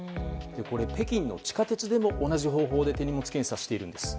北京の地下鉄でも同じ方法で手荷物検査しているんです。